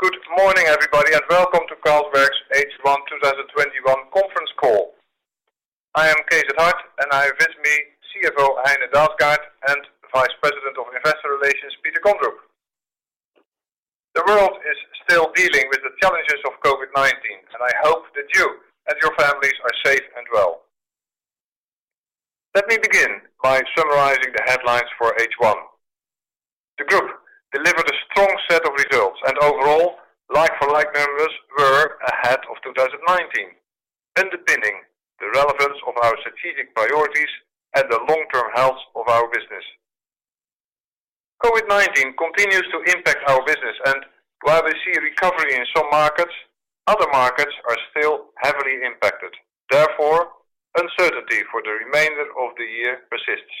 Good morning, everybody, welcome to Carlsberg's H1 2021 conference call. I am Cees 't Hart, I have with me CFO Heine Dalsgaard, and Vice President of Investor Relations, Peter Kondrup. The world is still dealing with the challenges of COVID-19, I hope that you and your families are safe and well. Let me begin by summarizing the headlines for H1. The group delivered a strong set of results, overall, like-for-like numbers were ahead of 2019, underpinning the relevance of our strategic priorities and the long-term health of our business. COVID-19 continues to impact our business, while we see recovery in some markets, other markets are still heavily impacted. Therefore, uncertainty for the remainder of the year persists.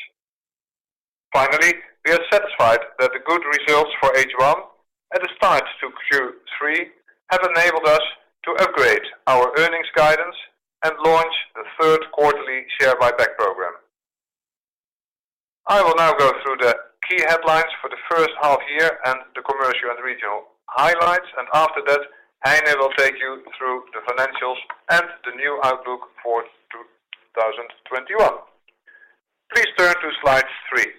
Finally, we are satisfied that the good results for H1 and the start to Q3 have enabled us to upgrade our earnings guidance and launch the third quarterly share buyback program. I will now go through the key headlines for the 1st half year and the commercial and regional highlights, and after that, Heine will take you through the financials and the new outlook for 2021. Please turn to slide three.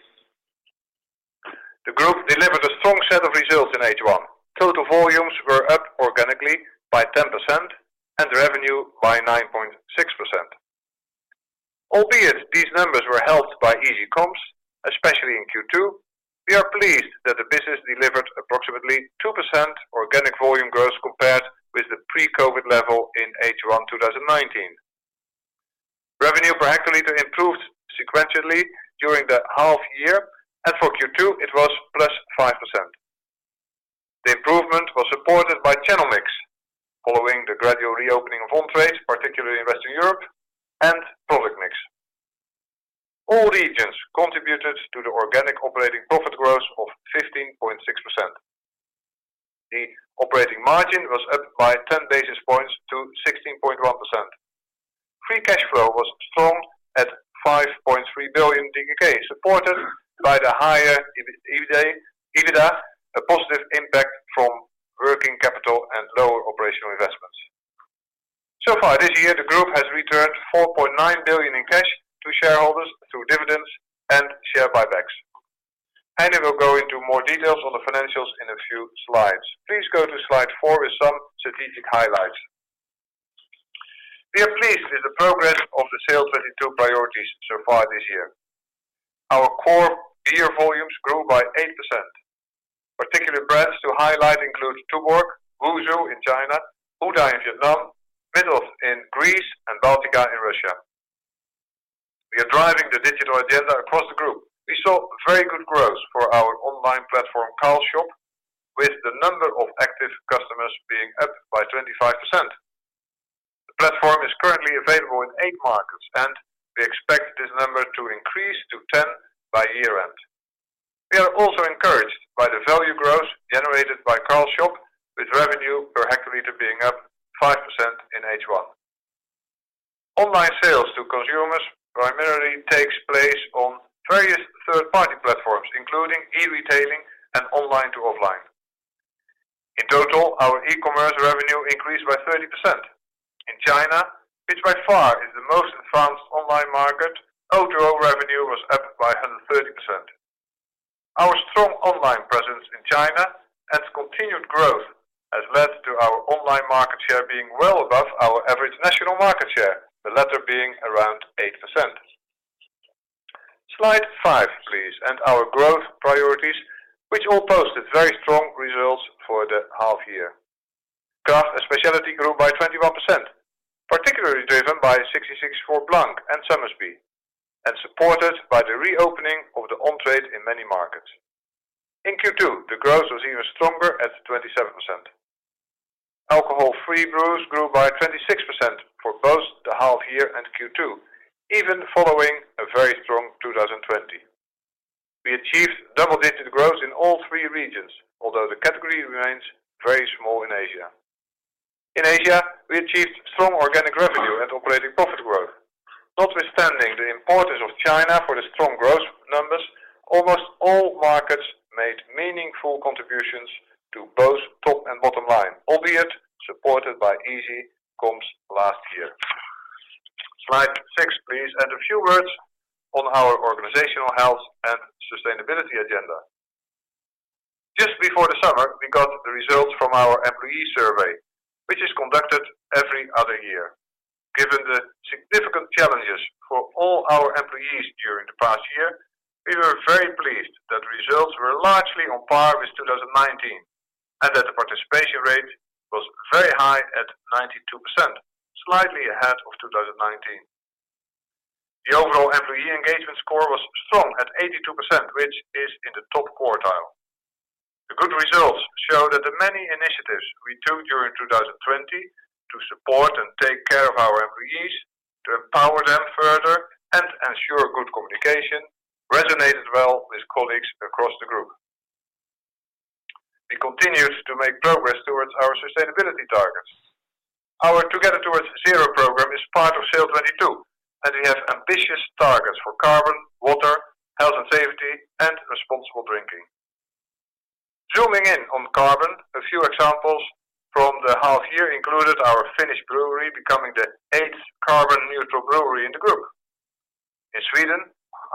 The group delivered a strong set of results in H1. Total volumes were up organically by 10% and revenue by 9.6%. Albeit these numbers were helped by easy comps, especially in Q2, we are pleased that the business delivered approximately 2% organic volume growth compared with the pre-COVID level in H1 2019. Revenue per hectoliter improved sequentially during the half year, and for Q2 it was plus 5%. The improvement was supported by channel mix following the gradual reopening of on-trade, particularly in Western Europe, and product mix. All regions contributed to the organic operating profit growth of 15.6%. The operating margin was up by 10 basis points to 16.1%. Free cash flow was strong at 5.3 billion, supported by the higher EBITDA, a positive impact from working capital and lower operational investments. Far this year, the group has returned 4.9 billion in cash to shareholders through dividends and share buybacks. Heine will go into more details on the financials in a few slides. Please go to slide four with some strategic highlights. We are pleased with the progress of the SAIL'22 priorities so far this year. Our core beer volumes grew by 8%. Particular brands to highlight include Tuborg, Wusu in China, Huda in Vietnam, Mythos in Greece, and Baltika in Russia. We are driving the digital agenda across the group. We saw very good growth for our online platform, Carl's Shop, with the number of active customers being up by 25%. The platform is currently available in eight markets, and we expect this number to increase to 10 by year-end. We are also encouraged by the value growth generated by Carl's Shop, with revenue per hectoliter being up 5% in H1. Online sales to consumers primarily takes place on various third-party platforms, including e-retailing and online to offline. In total, our e-commerce revenue increased by 30%. In China, which by far is the most advanced online market, O2O revenue was up by 130%. Our strong online presence in China and continued growth has led to our online market share being well above our average national market share, the latter being around 8%. Slide five, please, and our growth priorities, which all posted very strong results for the half year. Craft and specialty grew by 21%, particularly driven by 1664 Blanc and Somersby, and supported by the reopening of the on-trade in many markets. In Q2, the growth was even stronger at 27%. Alcohol-free brews grew by 26% for both the half year and Q2, even following a very strong 2020. We achieved double-digit growth in all three regions, although the category remains very small in Asia. In Asia, we achieved strong organic revenue and operating profit growth. Notwithstanding the importance of China for the strong growth numbers, almost all markets made meaningful contributions to both top and bottom line, albeit supported by easy comps last year. Slide 6, please, and a few words on our organizational health and sustainability agenda. Just before the summer, we got the results from our employee survey, which is conducted every other year. Given the significant challenges for all our employees during the past year, we were very pleased that results were largely on par with 2019 and that the participation rate was very high at 92%, slightly ahead of 2019. The overall employee engagement score was strong at 82%, which is in the top quartile. The good results show that the many initiatives we took during 2020 to support and take care of our employees, to empower them further and ensure good communication resonated well with colleagues across the group. We continued to make progress towards our sustainability targets. Our Together Towards ZERO program is part of SAIL22, and we have ambitious targets for carbon and safety and responsible drinking. Zooming in on carbon, a few examples from the half year included our Finnish brewery becoming the eighth carbon neutral brewery in the group. In Sweden,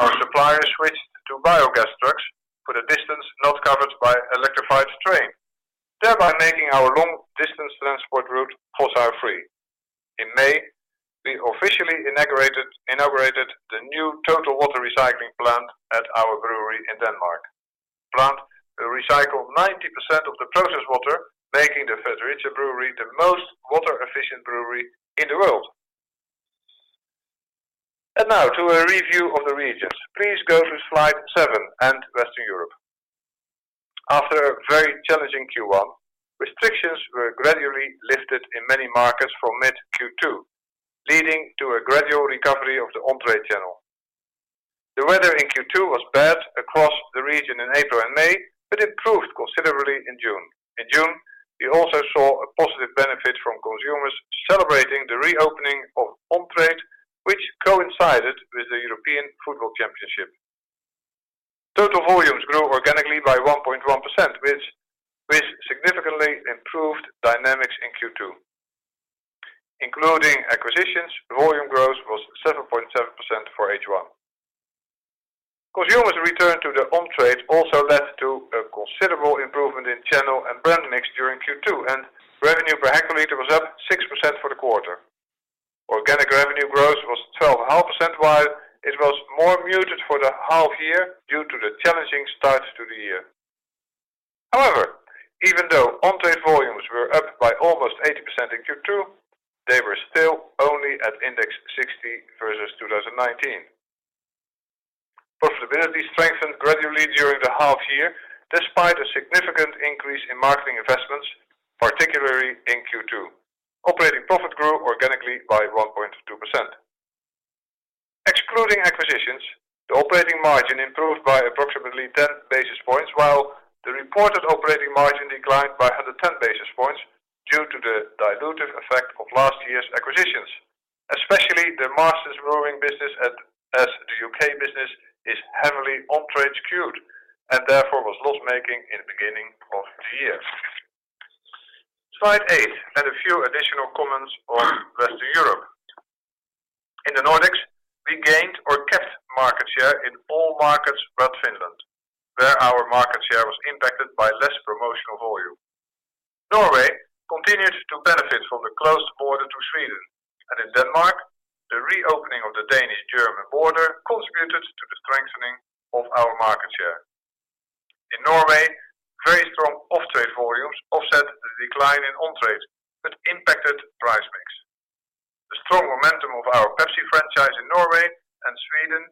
our suppliers switched to biogas trucks for the distance not covered by electrified train, thereby making our long-distance transport route fossil-free. In May, we officially inaugurated the new total water recycling plant at our brewery in Denmark. The plant will recycle 90% of the process water, making the Fredericia brewery the most water-efficient brewery in the world. Now to a review of the regions. Please go to slide seven and Western Europe. After a very challenging Q1, restrictions were gradually lifted in many markets from mid-Q2, leading to a gradual recovery of the on-trade channel. The weather in Q2 was bad across the region in April and May, but improved considerably in June. In June, we also saw a positive benefit from consumers celebrating the reopening of on-trade, which coincided with the European Football Championship. Total volumes grew organically by 1.1%, with significantly improved dynamics in Q2. Including acquisitions, volume growth was 7.7% for H1. Consumers' return to the on-trade also led to a considerable improvement in channel and brand mix during Q2, and revenue per hectolitre was up 6% for the quarter. Organic revenue growth was 12.5%, while it was more muted for the half year due to the challenging start to the year. However, even though on-trade volumes were up by almost 80% in Q2, they were still only at index 60 versus 2019. Profitability strengthened gradually during the half year, despite a significant increase in marketing investments, particularly in Q2. Operating profit grew organically by 1.2%. Excluding acquisitions, the operating margin improved by approximately 10 basis points, while the reported operating margin declined by 110 basis points due to the dilutive effect of last year's acquisitions, especially the Marston's Brewing business as the U.K. business is heavily on-trade skewed, and therefore was loss-making in the beginning of the year. Slide eight and a few additional comments on Western Europe. In the Nordics, we gained or kept market share in all markets but Finland, where our market share was impacted by less promotional volume. Norway continues to benefit from the closed border to Sweden, and in Denmark, the reopening of the Danish-German border contributed to the strengthening of our market share. In Norway, very strong off-trade volumes offset the decline in on-trade that impacted price mix. The strong momentum of our Pepsi franchise in Norway and Sweden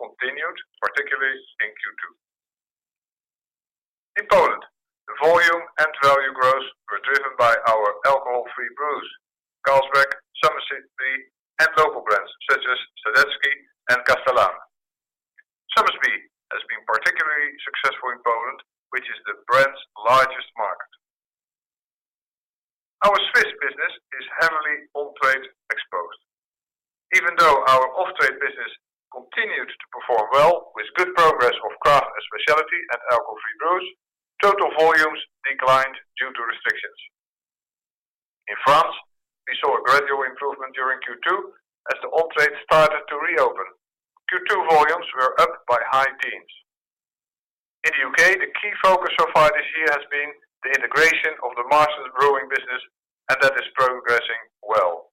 continued, particularly in Q2. In Poland, the volume and value growth were driven by our alcohol-free brews, Carlsberg, Somersby, and local brands such as Żywiec and Kasztelan. Somersby has been particularly successful in Poland, which is the brand's largest market. Our Swiss business is heavily on-trade exposed. Even though our off-trade business continued to perform well with good progress of craft and specialty and alcohol-free brews, total volumes declined due to restrictions. In France, we saw a gradual improvement during Q2 as the on-trade started to reopen. Q2 volumes were up by high teens. In the U.K., the key focus so far this year has been the integration of the Marston's Brewing business, and that is progressing well.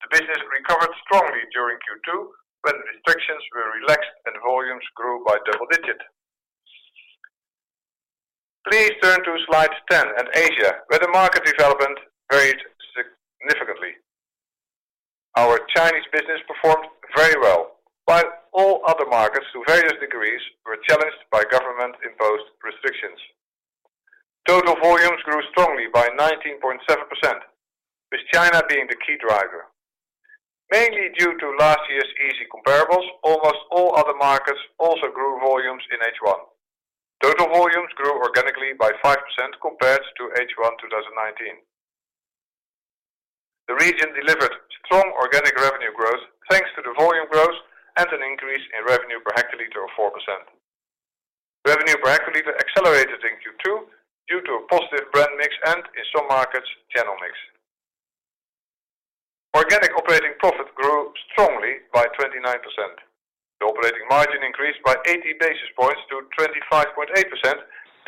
The business recovered strongly during Q2 when restrictions were relaxed and volumes grew by double digit. Please turn to slide 10 and Asia, where the market development varied significantly. Our Chinese business performed very well, while all other markets, to various degrees, were challenged by government-imposed restrictions. Total volumes grew strongly by 19.7%, with China being the key driver. Mainly due to last year's easy comparables, almost all other markets also grew volumes in H1. Total volumes grew organically by 5% compared to H1 2019. The region delivered strong organic revenue growth thanks to the volume growth and an increase in revenue per hectolitre of 4%. Revenue per hectolitre accelerated in Q2 due to a positive brand mix and, in some markets, channel mix. Organic operating profit grew strongly by 29%. The operating margin increased by 80 basis points to 25.8%,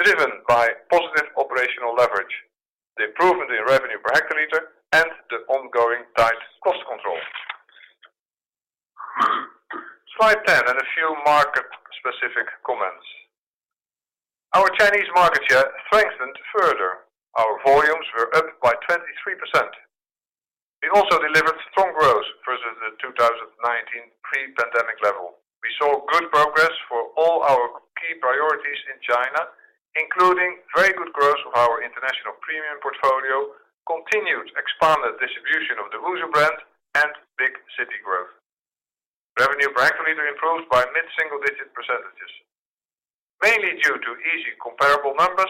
driven by positive operational leverage, the improvement in revenue per hectolitre, and the ongoing tight cost control. Slide 10 and a few market-specific comments. Our Chinese market share strengthened further. Our volumes were up by 23%. We also delivered strong growth versus the 2019 pre-pandemic level. We saw good progress for all our key priorities in China, including very good growth of our international premium portfolio, continued expanded distribution of the Wusu brand, and big city growth. Revenue per hectolitre improved by a mid-single-digit %. Mainly due to easy comparable numbers,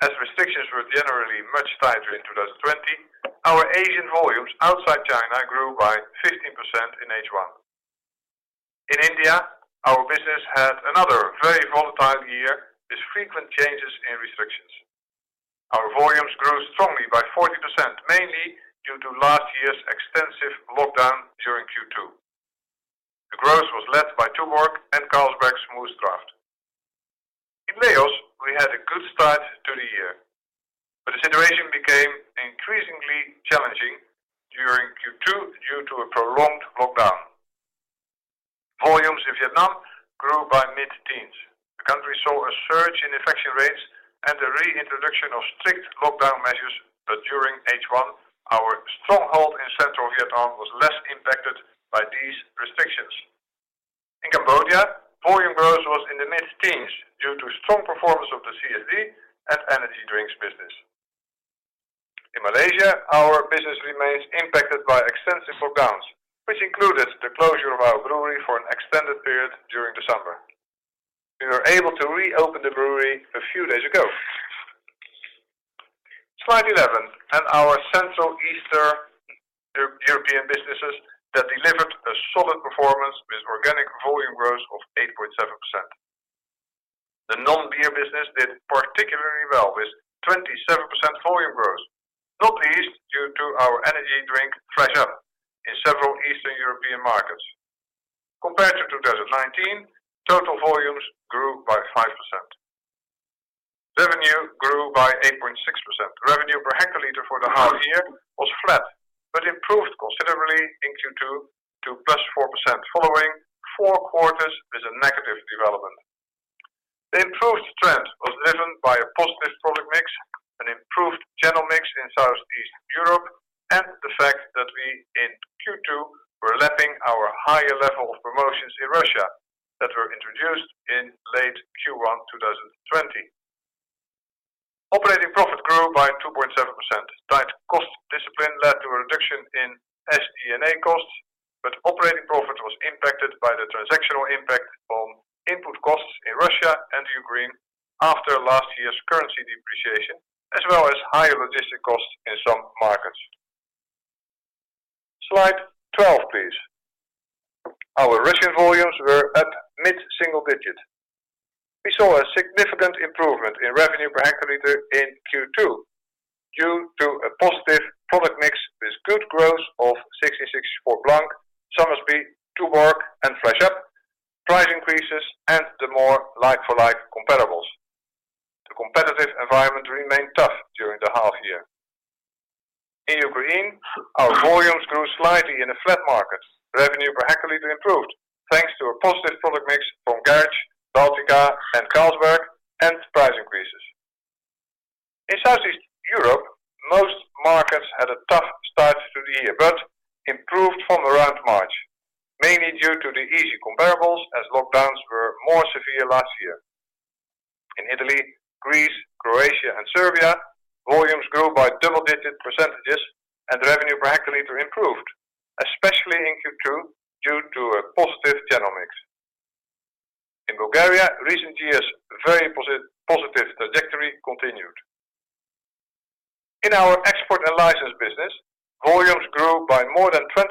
as restrictions were generally much tighter in 2020, our Asian volumes outside China grew by 15% in H1. In India, our business had another very volatile year with frequent changes in restrictions. Our volumes grew strongly by 40%, mainly due to last year's extensive lockdown during Q2. The growth was led by Tuborg and Carlsberg Smooth Draught. In Laos, we had a good start to the year, but the situation became increasingly challenging during Q2 due to a prolonged lockdown. Volumes in Vietnam grew by mid-teens. The country saw a surge in infection rates and the reintroduction of strict lockdown measures, but during H1, our stronghold in Central Vietnam was less impacted by these restrictions. In Cambodia, volume growth was in the mid-teens due to strong performance of the CSD and energy drinks business. In Malaysia, our business remains impacted by extensive lockdowns, which included the closure of our brewery for an extended period during the summer. We were able to reopen the brewery a few days ago. Slide 11. Our Central Eastern European businesses that delivered a solid performance with organic volume growth of 8.7%. The non-beer business did particularly well with 27% volume growth, not least due to our energy drink Flash Up in several Eastern European markets. Compared to 2019, total volumes grew by 5%. Revenue grew by 8.6%. Revenue per hectolitre for the half year was flat, but improved considerably in Q2 to +4%, following four quarters with a negative development. The improved trend was driven by a positive product mix, an improved channel mix in Southeast Europe, and the fact that we in Q2 were lapping our higher level of promotions in Russia that were introduced in late Q1 2020. Operating profit grew by 2.7%. Tight cost discipline led to a reduction in SG&A costs, but operating profit was impacted by the transactional impact on input costs in Russia and Ukraine after last year's currency depreciation, as well as higher logistic costs in some markets. Slide 12, please. Our Russian volumes were up mid-single digit. We saw a significant improvement in revenue per hectoliter in Q2 due to a positive product mix with good growth of 1664 Blanc, Somersby, Tuborg, and Flash Up, price increases, and the more like-for-like comparables. The competitive environment remained tough during the half year. In Ukraine, our volumes grew slightly in a flat market. Revenue per hectoliter improved thanks to a positive product mix from Garage, Baltika, and Carlsberg and price increases. In Southeast Europe, most markets had a tough start to the year but improved from around March, mainly due to the easy comparables as lockdowns were more severe last year. In Italy, Greece, Croatia, and Serbia, volumes grew by double-digit percentages and revenue per hectoliter improved, especially in Q2, due to a positive channel mix. In Bulgaria, recent years' very positive trajectory continued. In our export and license business, volumes grew by more than 20%,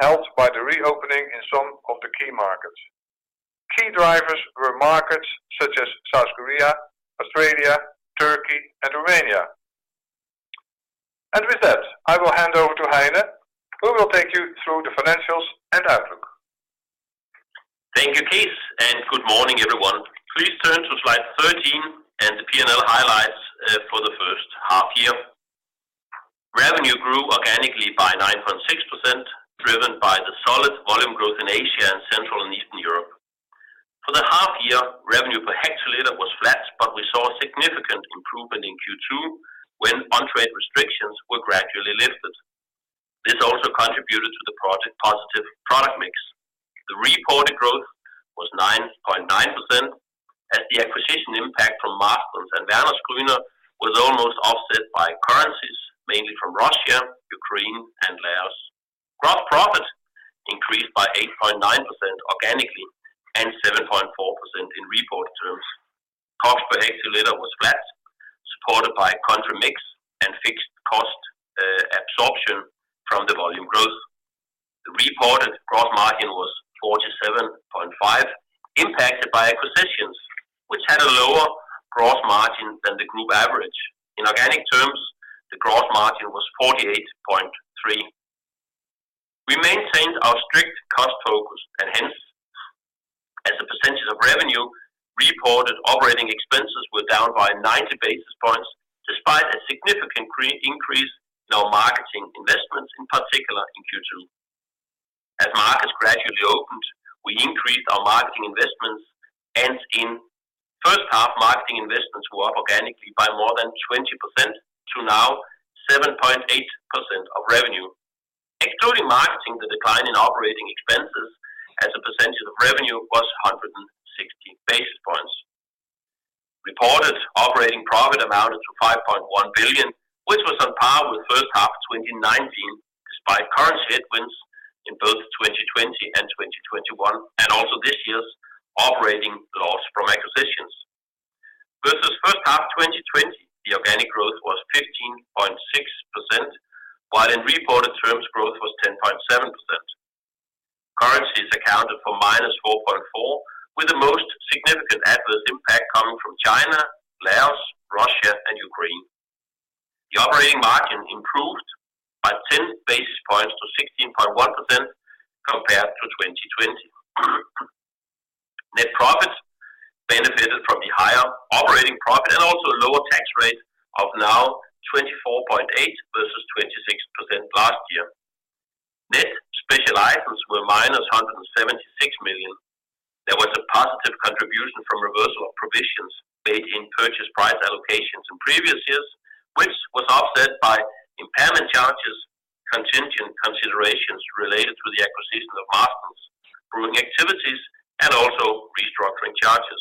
helped by the reopening in some of the key markets. Key drivers were markets such as South Korea, Australia, Turkey, and Romania. With that, I will hand over to Heine, who will take you through the financials and outlook. Thank you, Cees, and good morning, everyone. Please turn to slide 13 and the P&L highlights for the first half year. Revenue grew organically by 9.6%, driven by the solid volume growth in Asia and Central and Eastern Europe. For the half year, revenue per hectolitre was flat, but we saw a significant improvement in Q2 when on-trade restrictions were gradually lifted. This also contributed to the positive product mix. The reported growth was 9.9% as the acquisition impact from Marston's and Wernesgrüner was almost offset by currencies, mainly from Russia, Ukraine, and Laos. Gross profit increased by 8.9% organically and 7.4% in reported terms. Cost per hectolitre was flat, supported by country mix and fixed cost absorption from the volume growth. The reported gross margin was 47.5%, impacted by acquisitions which had a lower gross margin than the group average. In organic terms, the gross margin was 48.3%. We maintained our strict cost focus and hence, as a percentage of revenue, reported operating expenses were down by 90 basis points despite a significant increase in our marketing investments, in particular in Q2. As markets gradually opened, we increased our marketing investments, and in the first half, marketing investments were up organically by more than 20% to now 7.8% of revenue. Excluding marketing, the decline in operating expenses as a percentage of revenue was 160 basis points. Reported operating profit amounted to 5.1 billion, which was on par with first half 2019, despite currency headwinds in both 2020 and 2021, and also this year's operating loss from acquisitions. Versus first half 2020, the organic growth was 15.6%, while in reported terms, growth was 10.7%. Currencies accounted for -4.4%, with the most significant adverse impact coming from China, Laos, Russia, and Ukraine. The operating margin improved by 10 basis points to 16.1% compared to 2020. Net profits benefited from the higher operating profit and also a lower tax rate of now 24.8% versus 26% last year. Net special items were -176 million. There was a positive contribution from reversal of provisions made in purchase price allocations in previous years, which was offset by impairment charges, contingent considerations related to the acquisition of Marston's Brewing activities, and also restructuring charges.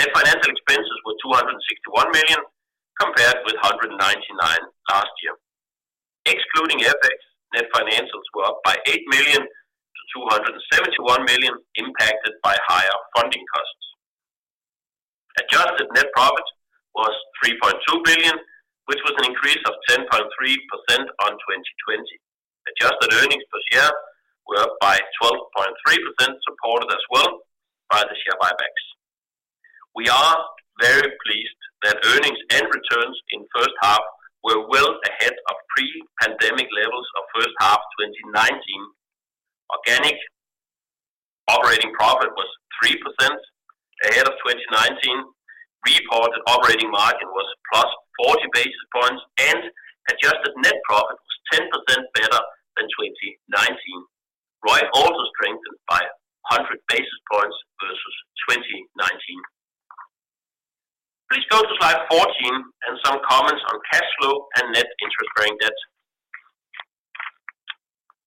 Net financial expenses were 261 million, compared with 199 million last year. Excluding FX, net financials were up by eight million to 271 million impacted by higher funding costs. Adjusted net profit was 3.2 billion, which was an increase of 10.3% on 2020. Adjusted earnings per share were up by 12.3%, supported as well by the share buybacks. We are very pleased that earnings and returns in first half were well ahead of pre-pandemic levels of first half 2019. Organic operating profit was 3% ahead of 2019. Reported operating margin was plus 40 basis points, and adjusted net profit was 10% better than 2019. ROIC also strengthened by 100 basis points versus 2019. Please go to slide 14 and some comments on cash flow and net interest-bearing debt.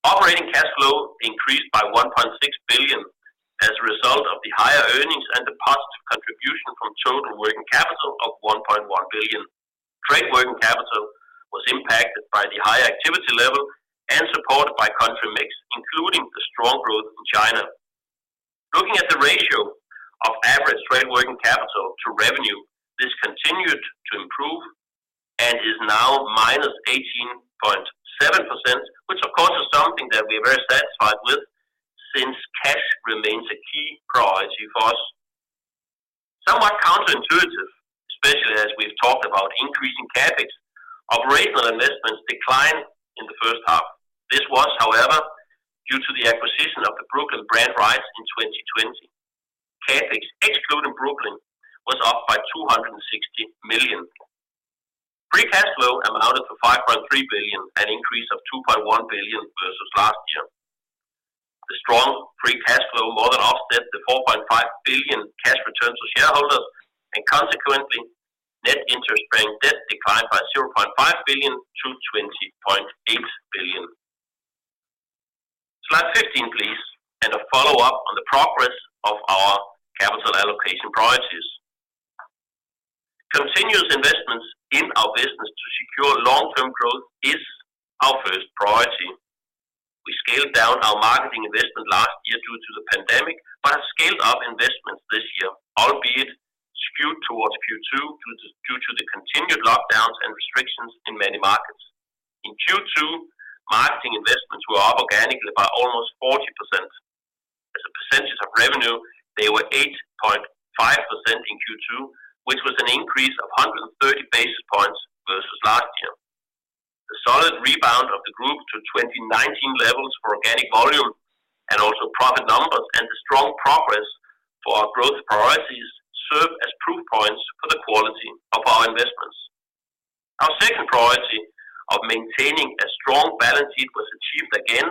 Operating cash flow increased by 1.6 billion as a result of the higher earnings and the positive contribution from total working capital of 1.1 billion. Trade working capital was impacted by the higher activity level and supported by country mix, including the strong growth in China. Looking at the ratio of average trade working capital to revenue, this continued to improve and is now -18.7%, which of course is something that we are very satisfied with since cash remains a key priority for us. Somewhat counterintuitive, especially as we've talked about increasing CapEx, operational investments declined in the first half. This was, however, due to the acquisition of the Brooklyn brand rights in 2020. CapEx excluding Brooklyn was up by 260 million. Free cash flow amounted to 5.3 billion, an increase of 2.1 billion versus last year. The strong free cash flow more than offset the 4.5 billion cash return to shareholders, and consequently, net interest-bearing debt declined by 0.5 billion to 20.8 billion. Slide 15, please, and a follow-up on the progress of our capital allocation priorities. Continuous investments in our business to secure long-term growth is our first priority. We scaled down our marketing investment last year due to the pandemic, but have scaled up investments this year, albeit skewed towards Q2 due to the continued lockdowns and restrictions in many markets. In Q2, marketing investments were up organically by almost 40%. As a percentage of revenue, they were 8.5% in Q2, which was an increase of 130 basis points versus last year. The solid rebound of the group to 2019 levels for organic volume and also profit numbers and the strong progress for our growth priorities serve as proof points for the quality of our investments. Our second priority of maintaining a strong balance sheet was achieved again,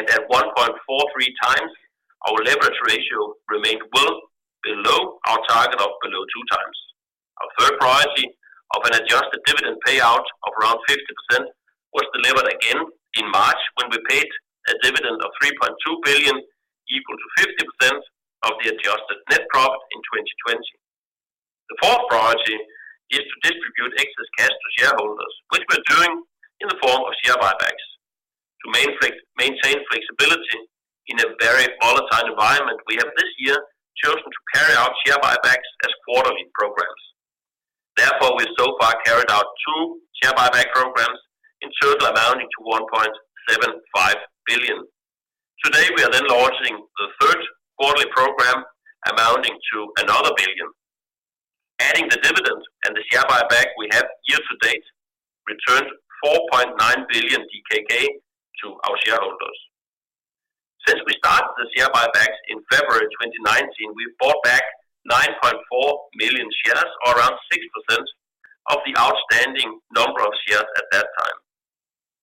and at 1.43 times, our leverage ratio remained well below our target of below two times. Our third priority of an adjusted dividend payout of around 50% was delivered again in March when we paid a dividend of 3.2 billion, equal to 50% of the adjusted net profit in 2020. The fourth priority is to distribute excess cash to shareholders, which we're doing in the form of share buybacks. To maintain flexibility in a very volatile environment, we have this year chosen to carry out share buybacks as quarterly programs. We've so far carried out two share buyback programs in total amounting to 1.75 billion. Today, we are launching the 3rd quarterly program amounting to another 1 billion. Adding the dividend and the share buyback we have year to date returned 4.9 billion DKK to our shareholders. Since we started the share buybacks in February 2019, we bought back 9.4 million shares or around 6% of the outstanding number of shares at that time.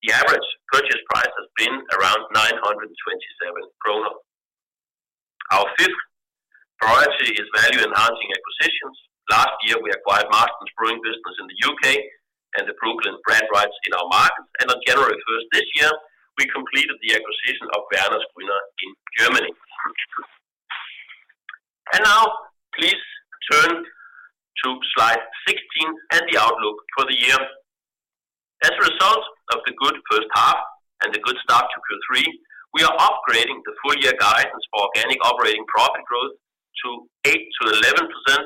The average purchase price has been around 927. Our fifth priority is value-enhancing acquisitions. Here we acquired Marston's brewing business in the U.K. and the Brooklyn brand rights in our markets. On January 1st this year, we completed the acquisition of Wernesgrüner in Germany. Now please turn to slide 16 and the outlook for the year. As a result of the good first half and the good start to Q3, we are upgrading the full year guidance for organic operating profit growth to 8%-11%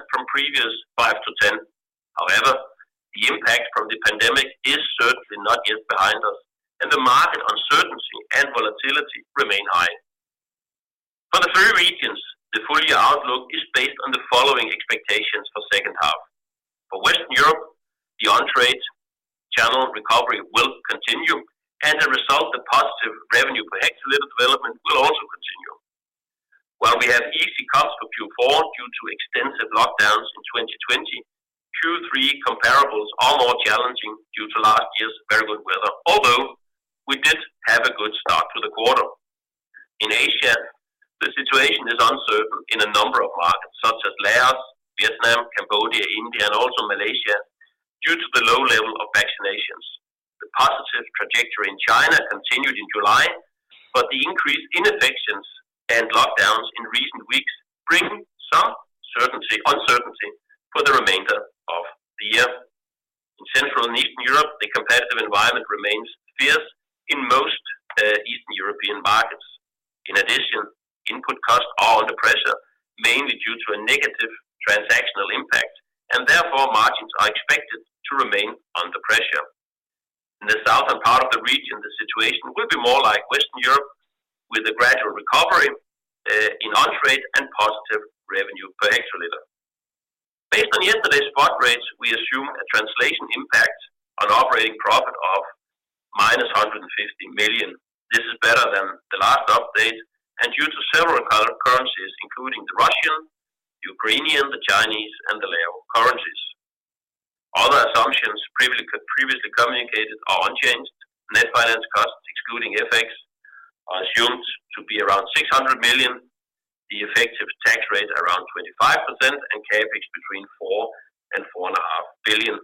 from previous 5%-10%. However, the impact from the pandemic is certainly not yet behind us, and the market uncertainty and volatility remain high. For the three regions, the full year outlook is based on the following expectations for second half. For Western Europe, the on-trade channel recovery will continue, as a result, the positive revenue per hectoliter development will also continue. While we have easy comps for Q4 due to extensive lockdowns in 2020, Q3 comparables are more challenging due to last year's very good weather, although we did have a good start to the quarter. In Asia, the situation is uncertain in a number of markets such as Laos, Vietnam, Cambodia, India, and also Malaysia, due to the low level of vaccinations. The positive trajectory in China continued in July, the increase in infections and lockdowns in recent weeks bring some uncertainty for the remainder of the year. In Central and Eastern Europe, the competitive environment remains fierce in most Eastern European markets. In addition, input costs are under pressure, mainly due to a negative transactional impact, therefore margins are expected to remain under pressure. In the southern part of the region, the situation will be more like Western Europe, with a gradual recovery in on-trade and positive revenue per hectoliter. Based on yesterday's spot rates, we assume a translation impact on operating profit of -150 million. This is better than the last update and due to several currencies, including the Russian, Ukrainian, the Chinese, and the Lao currencies. Other assumptions previously communicated are unchanged. Net finance costs excluding FX are assumed to be around 600 million, the effective tax rate around 25%, and CapEx between 4 billion and 4.5 billion.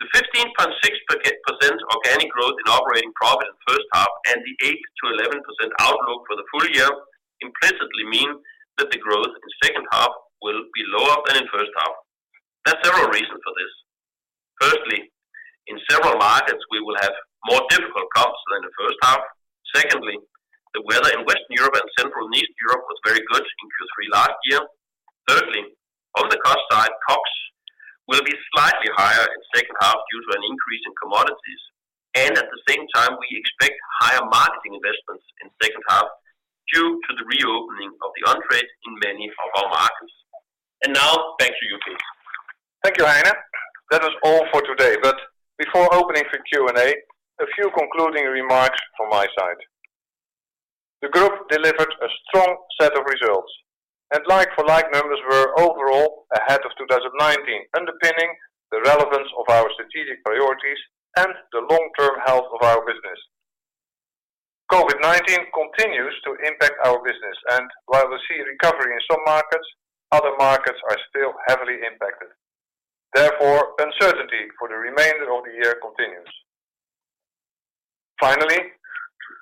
The 15.6% organic growth in operating profit in the first half and the 8%-11% outlook for the full year implicitly mean that the growth in the second half will be lower than in the first half. There are several reasons for this. Firstly, in several markets we will have more difficult comps than the first half. Secondly, the weather in Western Europe and Central and Eastern Europe was very good in Q3 last year. Thirdly, on the cost side, COGS will be slightly higher in the second half due to an increase in commodities, and at the same time we expect higher marketing investments in the second half due to the reopening of the on-trade in many of our markets. Now back to you, Cees. Thank you, Heine. That was all for today, but before opening for Q&A, a few concluding remarks from my side. The group delivered a strong set of results, and like-for-like numbers were overall ahead of 2019, underpinning the relevance of our strategic priorities and the long-term health of our business. COVID-19 continues to impact our business, and while we see a recovery in some markets, other markets are still heavily impacted. Therefore, uncertainty for the remainder of the year continues. Finally,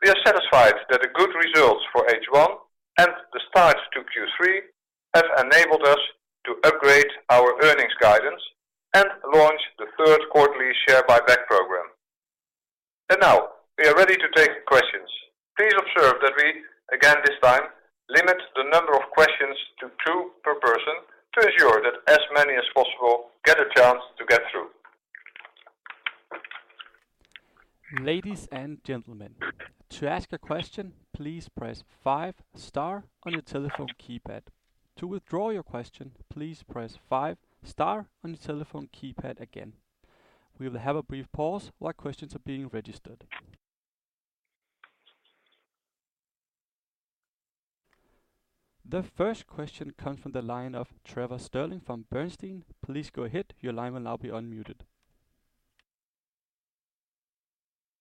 we are satisfied that the good results for H1 and the start to Q3 have enabled us to upgrade our earnings guidance and launch the third quarterly share buyback program. Now we are ready to take questions. Please observe that we, again this time, limit the number of questions to two per person to ensure that as many as possible get a chance to get through. The first question comes from the line of Trevor Stirling from Bernstein.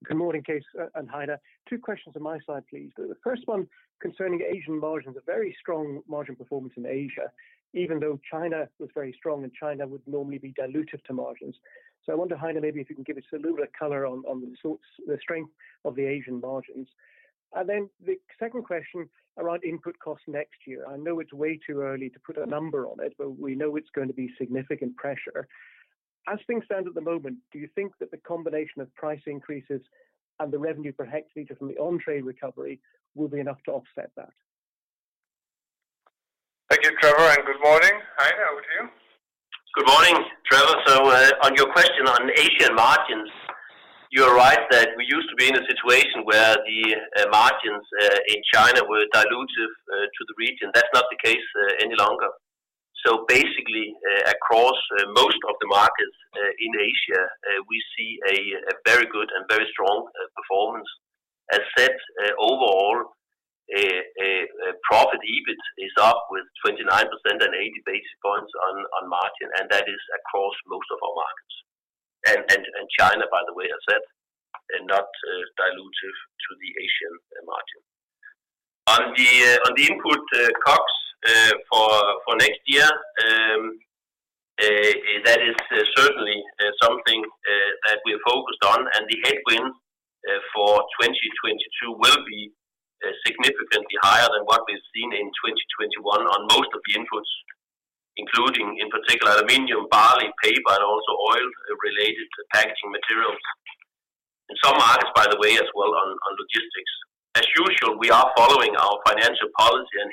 Good morning, Cees and Heine. Two questions on my side, please. The first one concerning Asian margins. A very strong margin performance in Asia, even though China was very strong and China would normally be dilutive to margins. I wonder, Heine, maybe if you can give us a little bit of color on the strength of the Asian margins. The second question around input costs next year. I know it's way too early to put a number on it, but we know it's going to be significant pressure. As things stand at the moment, do you think that the combination of price increases and the revenue per hectoliter from the on-trade recovery will be enough to offset that? Thank you, Trevor, and good morning. Heine, over to you. Good morning, Trevor. On your question on Asian margins, you're right that we used to be in a situation where the margins in China were dilutive to the region. That's not the case any longer. Basically, across most of the markets in Asia, we see a very good and very strong performance. As said, overall profit EBIT is up with 29% and 80 basis points on margin, and that is across most of our markets. China, by the way, as said, not dilutive. On the input costs for next year, that is certainly something that we are focused on, and the headwind for 2022 will be significantly higher than what we've seen in 2021 on most of the inputs, including, in particular, aluminum, barley, paper, and also oil related to packaging materials. In some markets, by the way, as well on logistics. As usual, we are following our financial policy and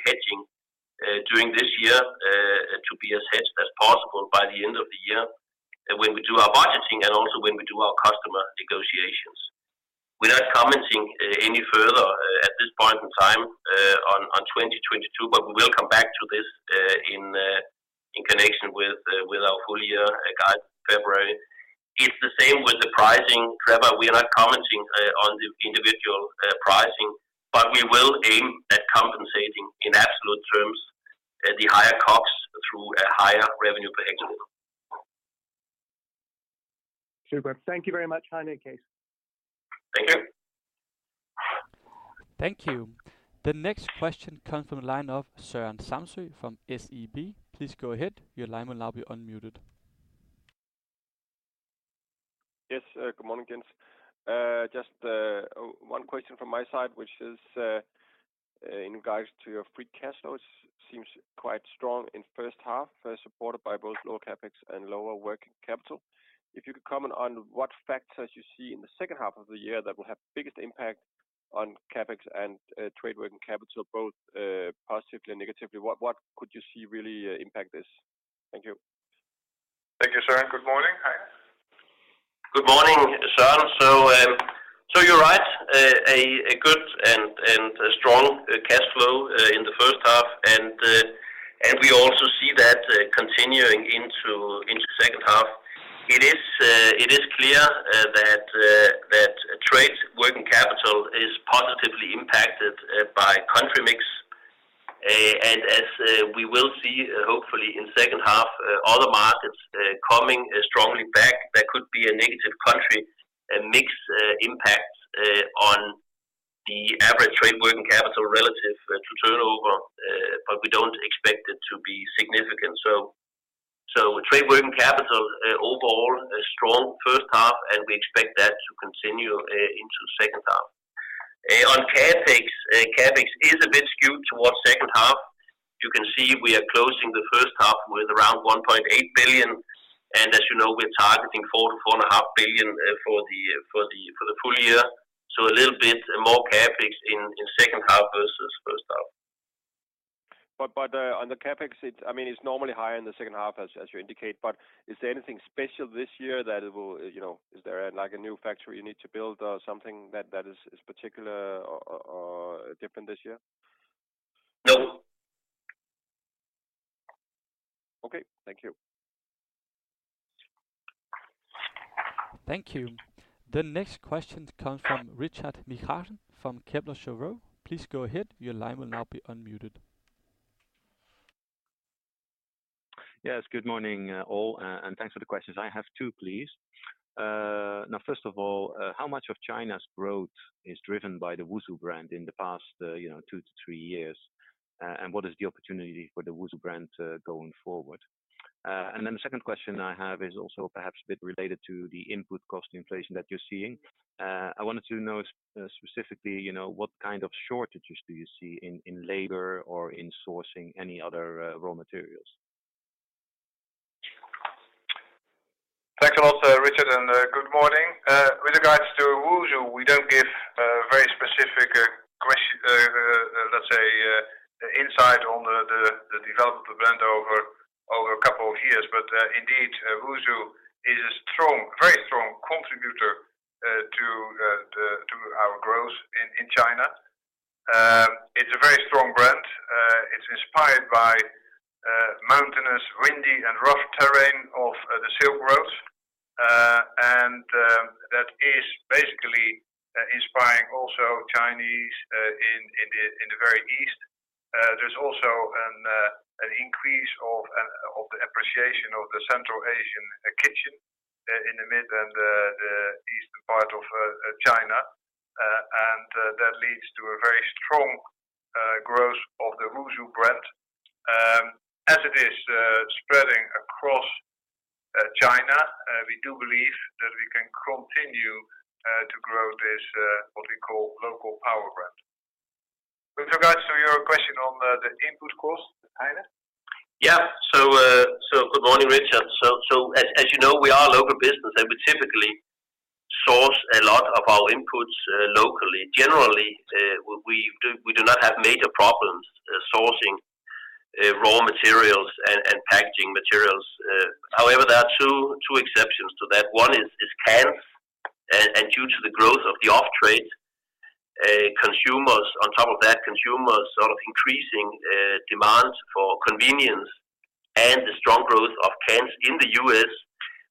hedging during this year to be as hedged as possible by the end of the year when we do our budgeting and also when we do our customer negotiations. We're not commenting any further at this point in time on 2022, but we will come back to this in connection with our full year guide in February. It's the same with the pricing, Trevor. We are not commenting on the individual pricing, but we will aim at compensating, in absolute terms, the higher costs through a higher revenue per hectoliter. Super. Thank you very much, Heine, Cees. Thank you. Thank you. The next question comes from the line of Søren Samsøe from SEB. Please go ahead. Yes, good morning, Cees. Just one question from my side, which is in regards to your free cash flow. It seems quite strong in the first half, supported by both lower CapEx and lower working capital. If you could comment on what factors you see in the second half of the year that will have the biggest impact on CapEx and trade working capital, both positively and negatively. What could you see really impact this? Thank you. Thank you, Søren. Good morning. Hi. Good morning, Søren. You're right, a good and strong cash flow in the first half, and we also see that continuing into second half. It is clear that trade working capital is positively impacted by country mix. As we will see, hopefully, in second half, all the markets coming strongly back, there could be a negative country mix impact on the average trade working capital relative to turnover, but we don't expect it to be significant. Trade working capital overall, strong first half, and we expect that to continue into second half. On CapEx is a bit skewed towards second half. You can see we are closing the first half with around 1.8 billion, and as you know, we're targeting 4 billion-4.5 billion for the full year. A little bit more CapEx in second half versus first half. On the CapEx, it's normally higher in the second half as you indicate, but is there anything special this year? Is there a new factory you need to build or something that is particular or different this year? No. Okay. Thank you. Thank you. The next question comes from Richard Withagen from Kepler Cheuvreux. Please go ahead. Yes. Good morning, all. Thanks for the questions. I have two, please. First of all, how much of China's growth is driven by the Wusu brand in the past two to three years? What is the opportunity for the Wusu brand going forward? The second question I have is also perhaps a bit related to the input cost inflation that you're seeing. I wanted to know specifically what kind of shortages do you see in labor or in sourcing any other raw materials? Thanks a lot, Richard, and good morning. With regards to Wusu, we don't give very specific, let's say, insight on the development of the brand over a couple of years. Indeed, Wusu is a very strong contributor to our growth in China. It's a very strong brand. It's inspired by mountainous, windy, and rough terrain of the Silk Roads, and that is basically inspiring also Chinese in the very east. There's also an increase of the appreciation of the Central Asian kitchen in the mid and the eastern part of China, and that leads to a very strong growth of the Wusu brand. As it is spreading across China, we do believe that we can continue to grow this, what we call local power brand. With regards to your question on the input cost, Heine? Yeah. Good morning, Richard. As you know, we are a local business, and we typically source a lot of our inputs locally. Generally, we do not have major problems sourcing raw materials and packaging materials. However, there are two exceptions to that. One is cans, and due to the growth of the off-trade, on top of that, consumers sort of increasing demand for convenience and the strong growth of cans in the U.S.,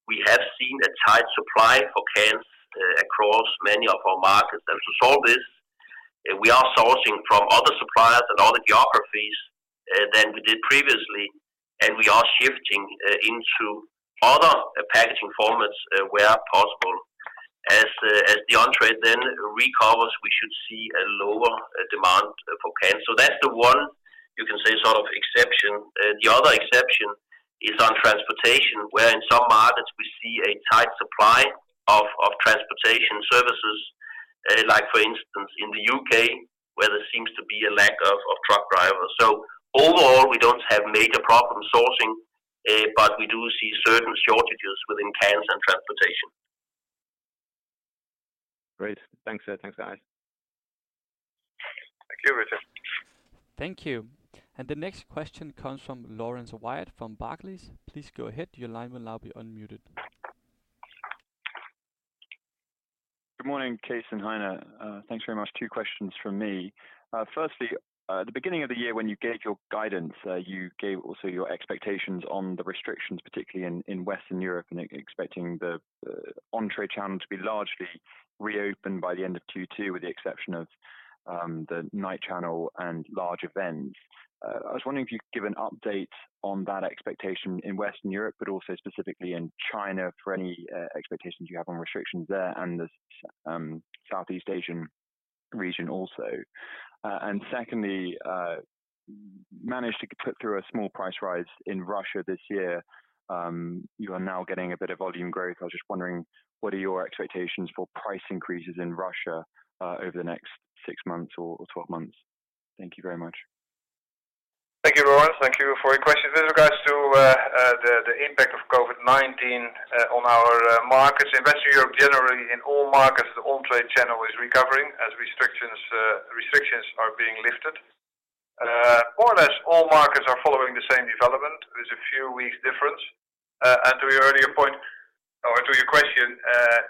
we have seen a tight supply for cans across many of our markets. To solve this, we are sourcing from other suppliers and other geographies than we did previously, and we are shifting into other packaging formats where possible. As the on-trade then recovers, we should see a lower demand for cans. That's the one, you can say, exception. The other exception is on transportation, where in some markets we see a tight supply of transportation services. Like for instance, in the U.K., where there seems to be a lack of truck drivers. Overall, we don't have major problem sourcing, but we do see certain shortages within cans and transportation. Great. Thanks, guys. Thank you, Richard. Thank you. The next question comes from Laurence Whyatt from Barclays. Please go ahead. Good morning, Cees and Heine. Thanks very much. Two questions from me. Firstly, at the beginning of the year when you gave your guidance, you gave also your expectations on the restrictions, particularly in Western Europe, and expecting the on-trade channel to be largely reopened by the end of Q2, with the exception of the night channel and large events. I was wondering if you could give an update on that expectation in Western Europe, but also specifically in China for any expectations you have on restrictions there and the Southeast Asian region also. Secondly, managed to put through a small price rise in Russia this year. You are now getting a bit of volume growth. I was just wondering, what are your expectations for price increases in Russia, over the next six months or 12 months? Thank you very much. Thank you, Laurence. Thank you for your questions. With regards to the impact of COVID-19 on our markets in Western Europe, generally in all markets, the on-trade channel is recovering as restrictions are being lifted. More or less all markets are following the same development with a few weeks difference. To your question,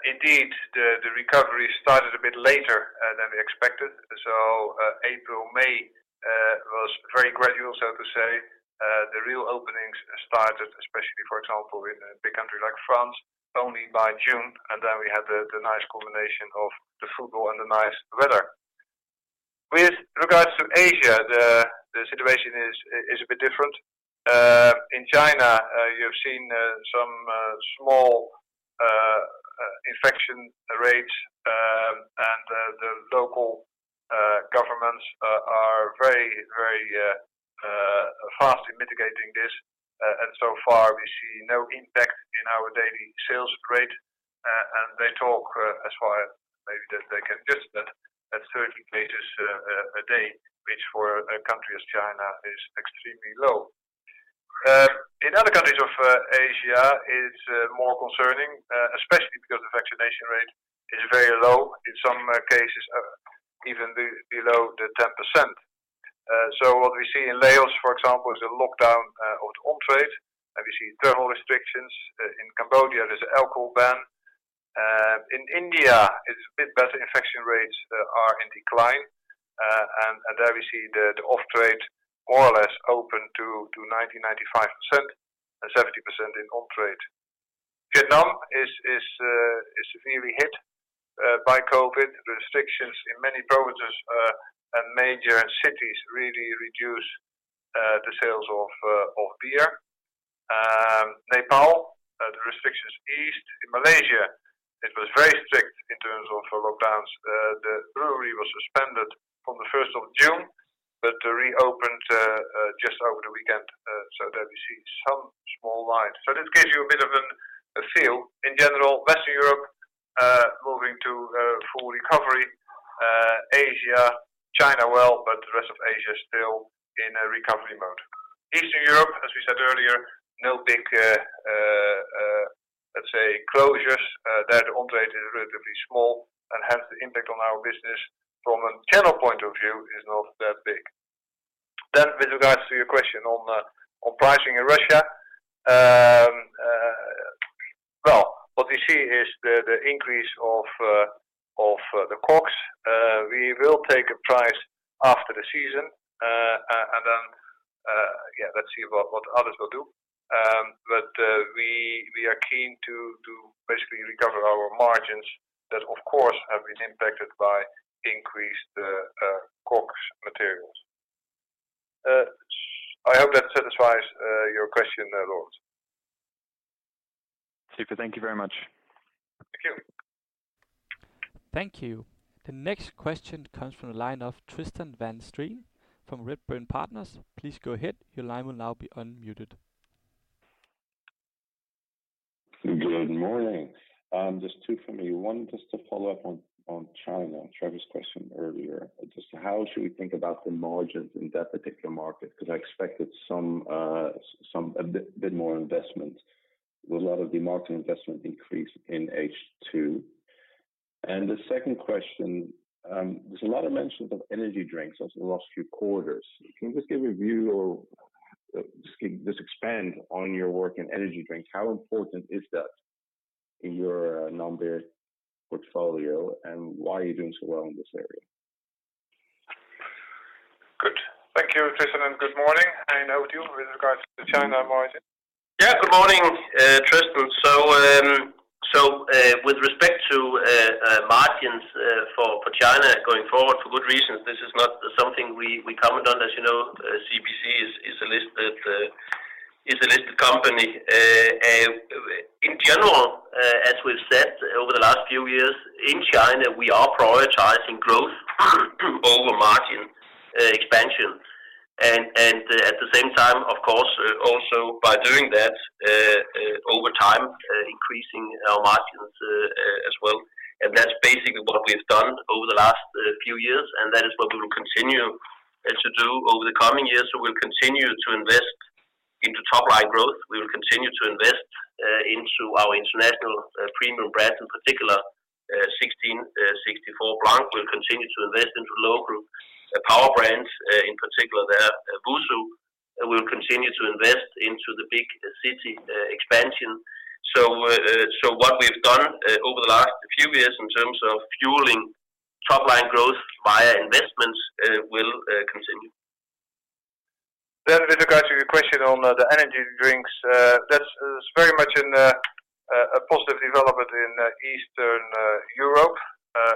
indeed, the recovery started a bit later than we expected. April, May was very gradual, so to say. The real openings started, especially for example, in a big country like France, only by June, and then we had the nice combination of the football and the nice weather. With regards to Asia, the situation is a bit different. In China, you've seen some small infection rates, and the local governments are very fast in mitigating this. So far we see no impact in our daily sales rate. They talk as far maybe that they can just that 30 cases a day, which for a country as China is extremely low. In other countries of Asia, it's more concerning, especially because the vaccination rate is very low, in some cases even below the 10%. What we see in Laos, for example, is a lockdown of the on-trade, and we see travel restrictions. In Cambodia, there's an alcohol ban. In India, it's a bit better. Infection rates are in decline. There we see the off-trade more or less open to 90%, 95%, and 70% in on-trade. Vietnam is severely hit by COVID. The restrictions in many provinces, and major cities really reduce the sales of beer. Nepal, the restrictions eased. In Malaysia, it was very strict in terms of lockdowns. The brewery was suspended from the 1st of June, but reopened just over the weekend, so there we see some small light. This gives you a bit of a feel. In general, Western Europe, moving to full recovery. Asia, China well, but the rest of Asia still in a recovery mode. Eastern Europe, as we said earlier, no big let's say closures. There the on-trade is relatively small and hence the impact on our business from a channel point of view is not that big. With regards to your question on pricing in Russia. Well, what we see is the increase of the COGS. We will take a price after the season, and then, yeah, let's see what others will do. We are keen to basically recover our margins that of course, have been impacted by increased COGS materials. I hope that satisfies your question there, Laurence. Super. Thank you very much. Thank you. Thank you. The next question comes from the line of Tristan van Strien from Redburn Partners. Please go ahead. Your line will now be unmuted. Good morning. Just two from me. One just to follow up on China, Trevor Stirling's question earlier. How should we think about the margins in that particular market? I expected a bit more investment with a lot of the marketing investment increase in H2. The second question, there's a lot of mentions of energy drinks over the last few quarters. Can you give a view or expand on your work in energy drinks? How important is that in your non-beer portfolio, and why are you doing so well in this area? Good. Thank you, Tristan, and good morning. Heine, over to you with regards to the China margin. Good morning, Tristan. With respect to margins for China going forward for good reasons, this is not something we comment on. As you know, CBC is a listed company. In general, as we've said over the last few years, in China, we are prioritizing growth over margin expansion. At the same time, of course, also by doing that, over time, increasing our margins as well. That's basically what we've done over the last few years, and that is what we will continue to do over the coming years. We'll continue to invest into top line growth. We will continue to invest into our international premium brands, in particular, 1664 Blanc. We'll continue to invest into local power brands, in particular there, Wusu. We'll continue to invest into the big city expansion. What we've done over the last few years in terms of fueling top line growth via investments will continue. With regards to your question on the energy drinks, that's very much a positive development in Eastern Europe.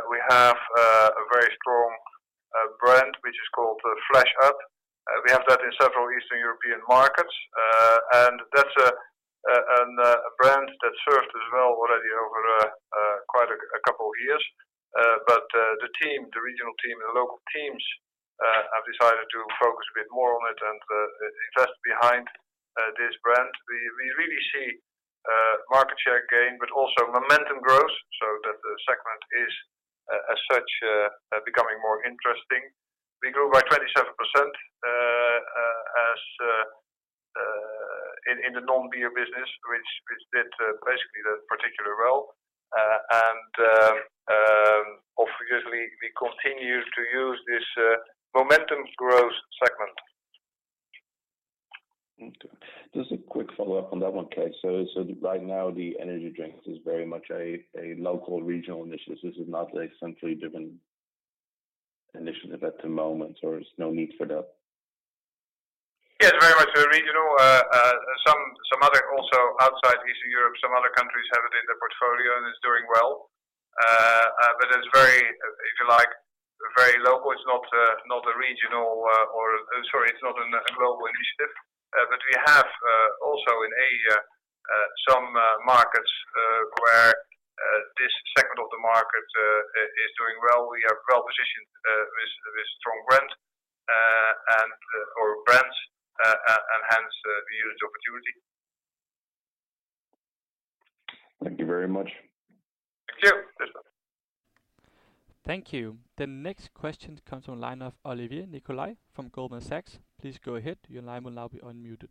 We have a very strong brand, which is called Flash Up. We have that in several Eastern European markets, and that's a brand that served us well already over quite a couple of years. The regional team and the local teams have decided to focus a bit more on it and invest behind this brand. We really see market share gain, but also momentum growth so that the segment is, as such, becoming more interesting. We grew by 27% in the non-beer business, which did basically that particular well. Obviously, we continue to use this momentum growth segment. Okay. Just a quick follow-up on that one, Cees. Right now, the energy drinks is very much a local regional initiative. This is not a centrally driven initiative at the moment, or there's no need for that? Yes, very much a regional. Also outside Eastern Europe, some other countries have it in their portfolio, and it is doing well. It is very, if you like, very local. It is not a regional or I am sorry, it is not a global initiative. We have, also in Asia, some markets where this segment of the market is doing well. We are well positioned with strong brand or brands, and hence we use the opportunity. Thank you very much. Thank you. Please go ahead. Thank you. The next question comes from the line of Olivier Nicolai from Goldman Sachs. Please go ahead. Your line will now be unmuted.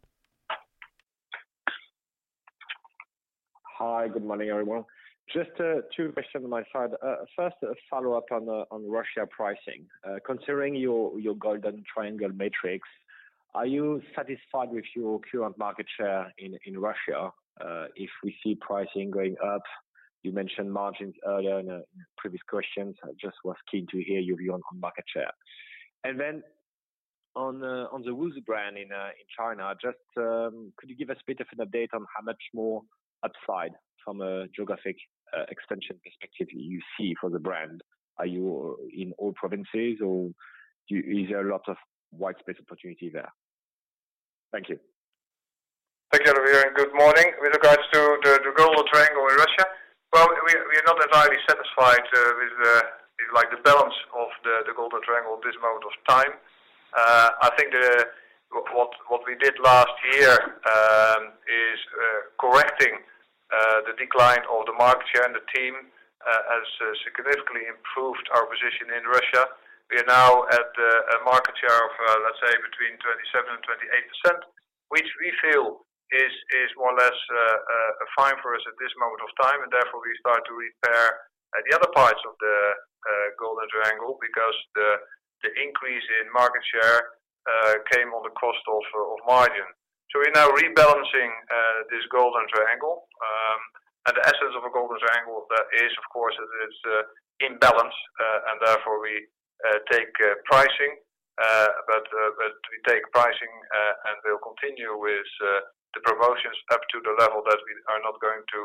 Hi. Good morning, everyone. Just two questions on my side. First, a follow-up on Russia pricing. Considering your Golden Triangle matrix, are you satisfied with your current market share in Russia if we see pricing going up? You mentioned margins earlier in previous questions. I just was keen to hear your view on market share. On the Wusu brand in China, just could you give us a bit of an update on how much more upside from a geographic expansion perspective you see for the brand? Are you in all provinces, or is there a lot of white space opportunity there? Thank you. Thank you, Olivier. Good morning. With regards to the Golden Triangle in Russia, well, we are not entirely satisfied with the balance of the Golden Triangle at this moment of time. I think what we did last year is correcting the decline of the market share, and the team has significantly improved our position in Russia. We are now at a market share of, let's say, between 27% and 28%, which we feel is more or less fine for us at this moment of time. Therefore, we start to repair the other parts of the Golden Triangle because the increase in market share came on the cost of margin. We're now rebalancing this Golden Triangle. The essence of a Golden Triangle that is, of course, it is in balance, and therefore we take pricing. We take pricing, and we'll continue with the promotions up to the level that we are not going to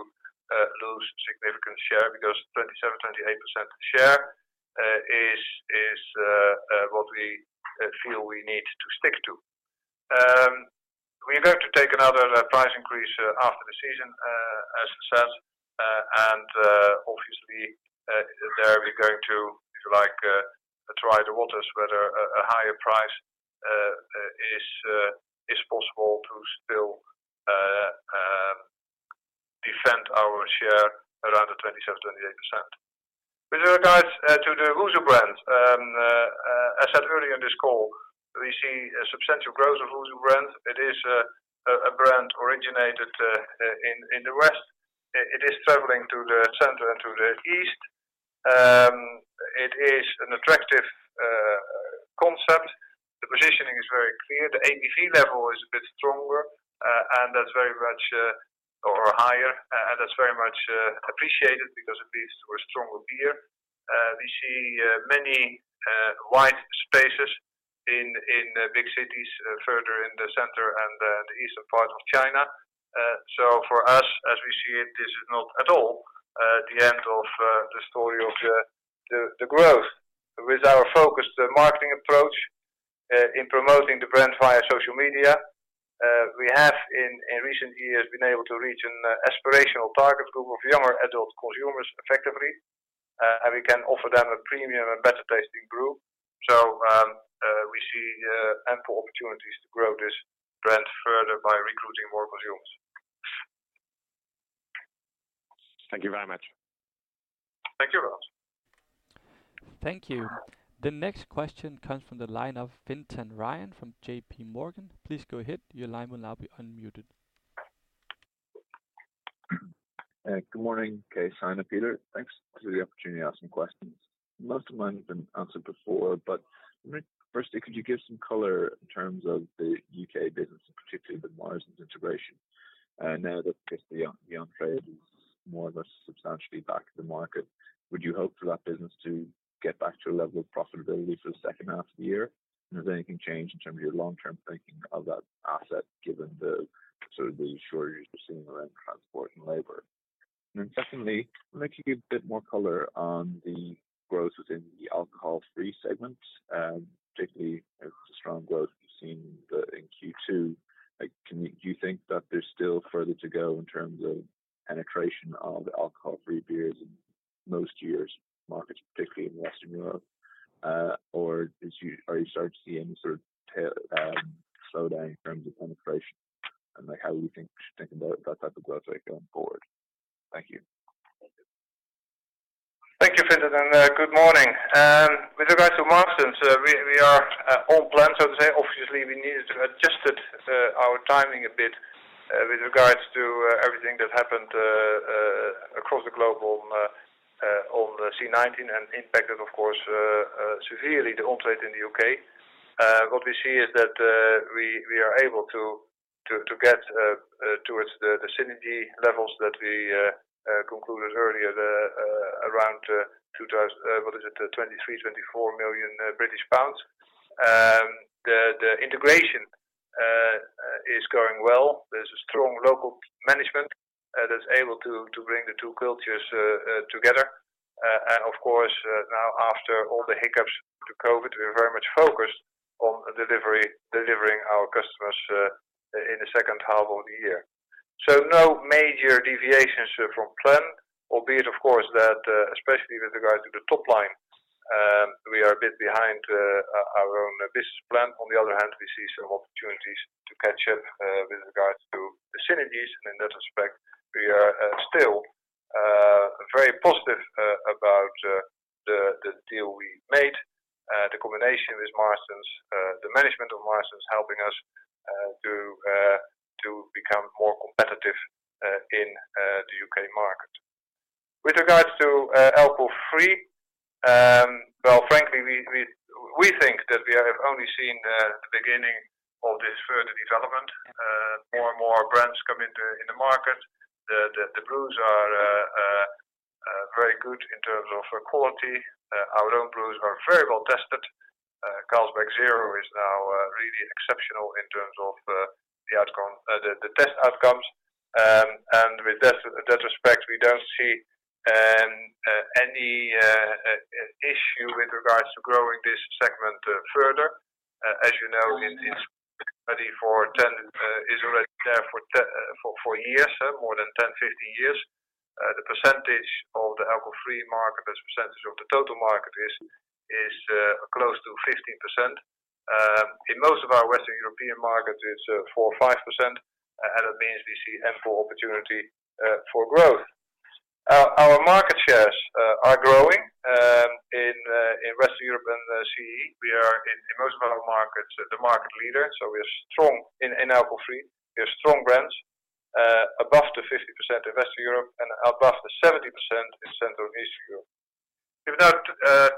lose significant share because 27%-28% share is what we feel we need to stick to. We're going to take another price increase after the season, as I said, and obviously, there we're going to, if you like, try the waters whether a higher price is possible to still defend our share around the 27%-28%. With regards to the Wusu brand, as said earlier in this call, we see a substantial growth of Wusu brand. It is a brand originated in the West. It is traveling to the center and to the East. It is an attractive concept. The positioning is very clear. The ABV level is a bit stronger, or higher, and that's very much appreciated because it leads to a stronger beer. We see many white spaces in big cities further in the center and the eastern part of China. For us, as we see it, this is not at all the end of the story of the growth. With our focused marketing approach in promoting the brand via social media, we have in recent years been able to reach an aspirational target group of younger adult consumers effectively, and we can offer them a premium and better-tasting brew. We see ample opportunities to grow this brand further by recruiting more consumers. Thank you very much. Thank you, Olivier Nicolai. Thank you. The next question comes from the line of Fintan Ryan from JPMorgan. Please go ahead. Good morning. Okay, Cees, Heine, Peter. Thanks for the opportunity to ask some questions. Most of mine have been answered before. Firstly, could you give some color in terms of the U.K. business, and particularly the Marston's integration now that basically the on-trade is more or less substantially back in the market? Would you hope for that business to get back to a level of profitability for the second half of the year? Has anything changed in terms of your long-term thinking of that asset, given the shortages we're seeing around transport and labor? Secondly, I'd like you to give a bit more color on the growth within the alcohol-free segment, particularly the strong growth we've seen in Q2. Do you think that there's still further to go in terms of penetration of alcohol-free beers in most years, markets particularly in Western Europe? Are you starting to see any sort of slowdown in terms of penetration, and how are we thinking about that type of growth rate going forward? Thank you. Thank you, Fintan, and good morning. With regards to Marston's, we are on plan, so to say. Obviously, we needed to have adjusted our timing a bit with regards to everything that happened across the globe on the C-19 and impacted, of course, severely the on-trade in the U.K. What we see is that we are able to get towards the synergy levels that we concluded earlier around GBP 23 million-GBP 24 million. The integration is going well. There's a strong local management that's able to bring the two cultures together. Of course, now after all the hiccups to COVID, we are very much focused on delivering our customers in the second half of the year. No major deviations from plan, albeit, of course, that especially with regards to the top line, we are a bit behind our own business plan. On the other hand, we see some opportunities to catch up with regards to the synergies, and in that respect, we are still very positive about the deal we made. The combination with Marston's, the management of Marston's helping us to become more competitive in the U.K. market. With regards to alcohol-free, well, frankly, we think that we have only seen the beginning of this further development. More and more brands come into in the market. The brews are very good in terms of quality. Our own brews are very well-tested. Carlsberg 0.0 is now really exceptional in terms of the test outcomes. And with that respect, we don't see any issue with regards to growing this segment further. As you know, it's ready for 10 Is already there for years, more than 10, 15 years. The percentage of the alcohol-free market as a percentage of the total market is close to 15%. In most of our Western European markets, it's 4% or 5%, and it means we see ample opportunity for growth. Our market shares are growing in Western Europe and CE. We are in most of our markets, the market leader, so we are strong in alcohol-free. We have strong brands above the 50% in Western Europe and above the 70% in Central and Eastern Europe. We've now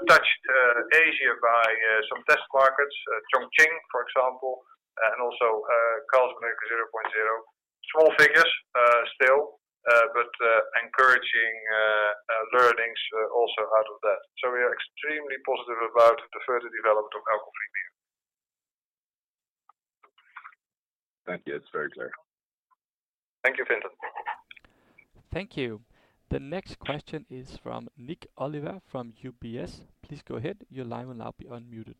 touched Asia by some test markets, Chongqing, for example, and also Carlsberg 0.0. Small figures still, but encouraging learnings also out of that. We are extremely positive about the further development of alcohol-free beer. Thank you. It's very clear. Thank you, Fintan. Thank you. The next question is from Nik Oliver from UBS. Please go ahead. Your line will now be unmuted.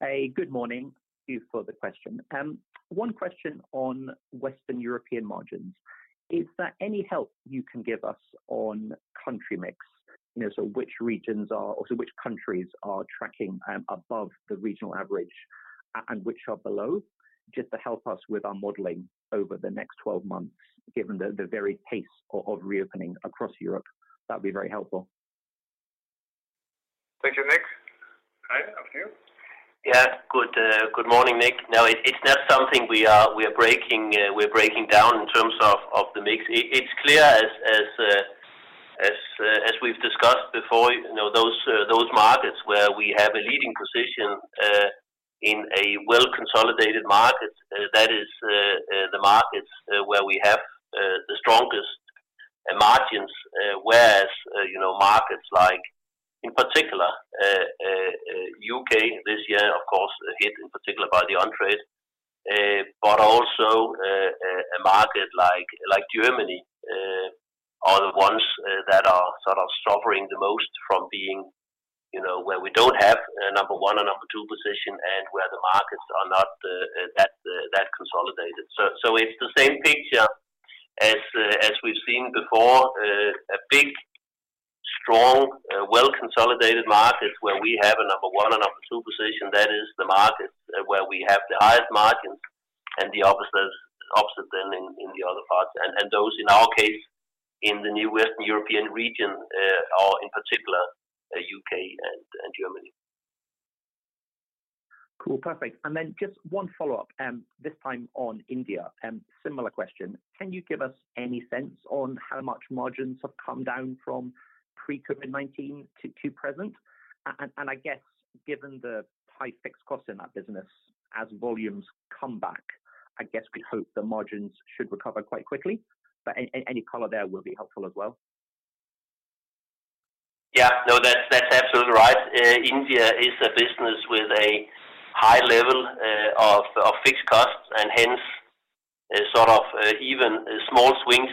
Hey, good morning. Two further questions. One question on Western European margins. Is there any help you can give us on country mix? Which countries are tracking above the regional average and which are below? Just to help us with our modeling over the next 12 months, given the varied pace of reopening across Europe. That'd be very helpful. Thank you, Nik. Heine, up to you. Yeah. Good morning, Nik. No, it's not something we are breaking down in terms of the mix. It's clear as we've discussed before, those markets where we have a leading position in a well-consolidated market, that is the markets where we have the strongest margins, whereas markets like-In particular, U.K. this year, of course, hit in particular by the on-trade, but also a market like Germany are the ones that are suffering the most from being where we don't have a number one or number two position, and where the markets are not that consolidated. It's the same picture as we've seen before, a big, strong, well-consolidated market where we have a number one or number two position, that is the market where we have the highest margins, and the opposite then in the other parts. Those, in our case, in the new Western European region, or in particular U.K. and Germany. Cool. Perfect. Then just one follow-up, this time on India, similar question. Can you give us any sense on how much margins have come down from pre-COVID-19 to present? I guess, given the high fixed costs in that business, as volumes come back, I guess we hope the margins should recover quite quickly. Any color there will be helpful as well. No, that's absolutely right. India is a business with a high level of fixed costs, and hence, even small swings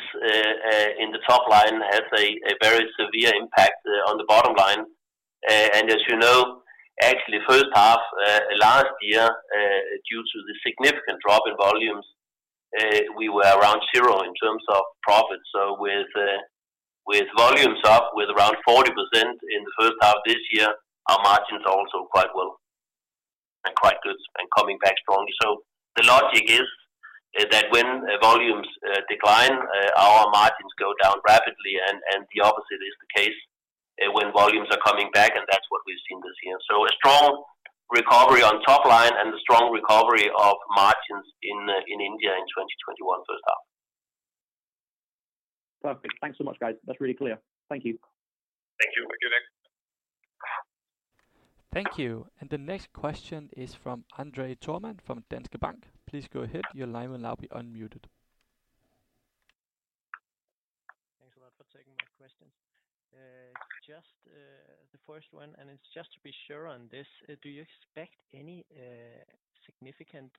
in the top line has a very severe impact on the bottom line. As you know, actually first half last year, due to the significant drop in volumes, we were around zero in terms of profit. With volumes up with around 40% in the first half this year, our margins are also quite well and quite good and coming back strongly. The logic is that when volumes decline, our margins go down rapidly, and the opposite is the case when volumes are coming back, and that's what we've seen this year. A strong recovery on top line and a strong recovery of margins in India in 2021 first half. Perfect. Thanks so much, guys. That's really clear. Thank you. Thank you. Thank you. The next question is from André Thormann from Danske Bank. Please go ahead. Thanks a lot for taking my questions. Just the first one, and it's just to be sure on this, do you expect any significant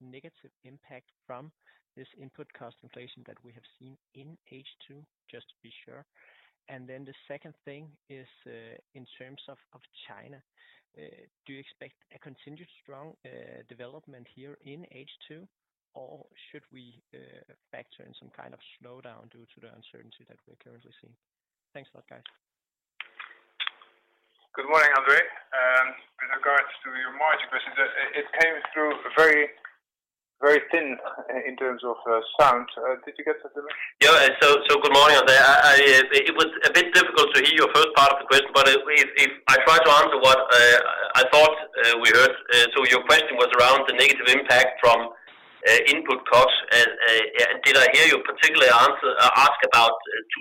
negative impact from this input cost inflation that we have seen in H2, just to be sure? The second thing is, in terms of China, do you expect a continued strong development here in H2, or should we factor in some kind of slowdown due to the uncertainty that we're currently seeing? Thanks a lot, guys. Good morning, André. With regards to your margin question, it came through very thin in terms of sound. Did you get that, Cees? Yeah. Good morning, André. It was a bit difficult to hear your first part of the question. If I try to answer what I thought we heard. Your question was around the negative impact from input costs, and did I hear you particularly ask about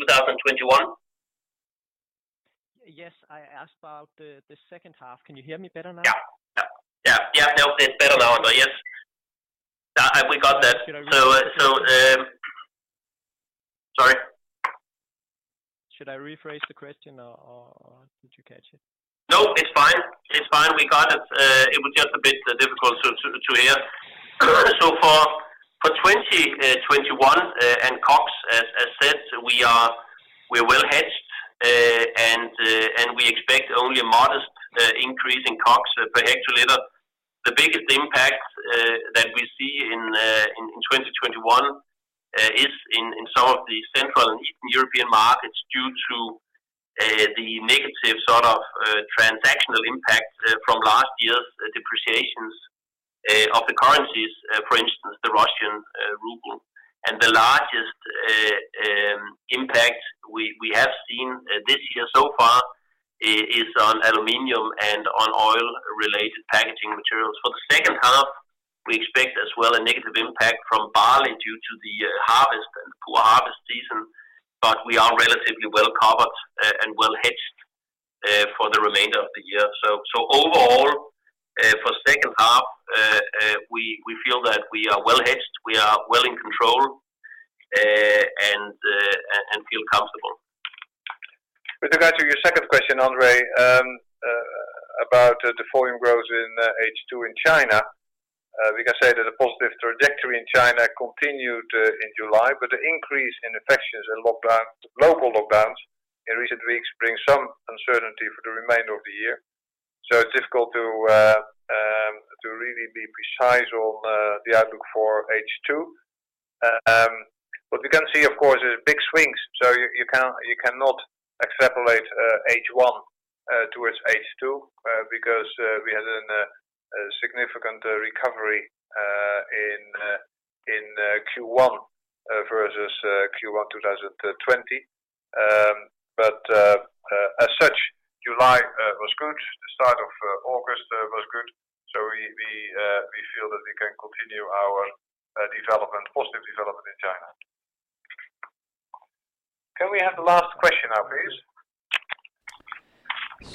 2021? Yes. I asked about the second half. Can you hear me better now? Yeah. No, it's better now, André. Yes. We got that. Should I rephrase the question, or did you catch it? No, it's fine. We got it. It was just a bit difficult to hear. For 2021, COGS, as said, we're well hedged, and we expect only a modest increase in COGS per hectoliter. The biggest impact that we see in 2021 is in some of the Central and Eastern European markets due to the negative transactional impact from last year's depreciations of the currencies, for instance, the Russian ruble. The largest impact we have seen this year so far is on aluminum and on oil-related packaging materials. For the second half, we expect as well a negative impact from barley due to the harvest and poor harvest season. We are relatively well-covered and well-hedged for the remainder of the year. Overall, for second half, we feel that we are well hedged, we are well in control, and feel comfortable. With regard to your second question, André, about the volume growth in H2 in China, we can say that the positive trajectory in China continued in July. The increase in infections and local lockdowns in recent weeks bring some uncertainty for the remainder of the year. It's difficult to really be precise on the outlook for H2. What we can see, of course, is big swings. You cannot extrapolate H1 towards H2, because we had a significant recovery in Q1 versus Q1 2020. As such, July was good. The start of August was good. We feel that we can continue our positive development in China. Can we have the last question now, please?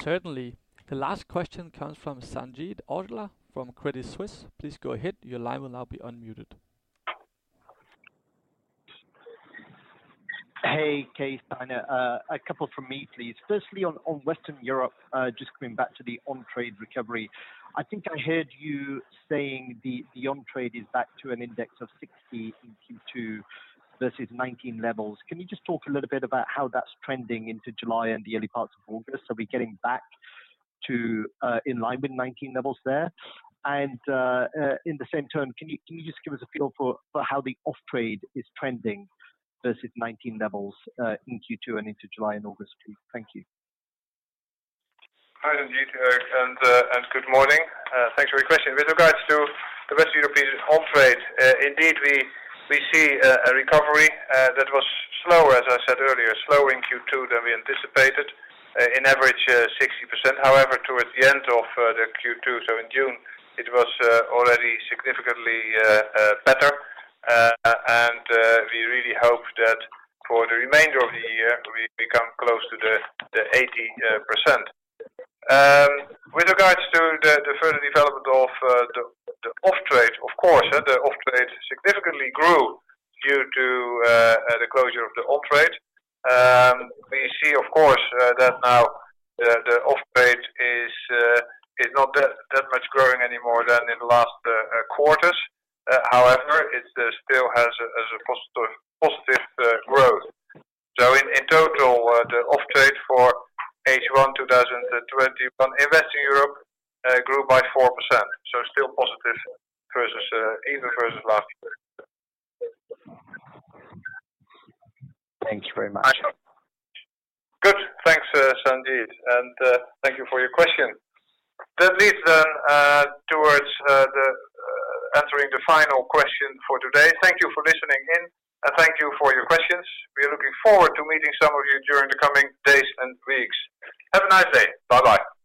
Certainly. The last question comes from Sanjeet Aujla from Credit Suisse. Please go ahead. Hey, Cees, Heine Dalsgaard. A couple from me, please. Firstly, on Western Europe, just coming back to the on-trade recovery. I think I heard you saying the on-trade is back to an index of 60 in Q2 versus 2019 levels. Can you just talk a little bit about how that's trending into July and the early parts of August? Are we getting back in line with 2019 levels there? In the same turn, can you just give us a feel for how the off-trade is trending versus 2019 levels in Q2 and into July and August, please? Thank you. Hi Sanjeet, and good morning. Thanks for your question. With regards to the Western European on-trade, indeed we see a recovery that was slower, as I said earlier, slower in Q2 than we anticipated. In average, 60%. However, towards the end of the Q2, so in June, it was already significantly better. We really hope that for the remainder of the year, we become close to the 80%. With regards to the further development of the off-trade, of course, the off-trade significantly grew due to the closure of the on-trade. We see, of course, that now the off-trade is not that much growing anymore than in the last quarters. However, it still has a positive growth. In total, the off-trade for H1 2021 in Western Europe grew by 4%, so still positive even versus last year. Good. Thanks, Sanjeet. Thank you for your question. That leaves then towards answering the final question for today. Thank you for listening in, and thank you for your questions. We are looking forward to meeting some of you during the coming days and weeks. Have a nice day. Bye-bye.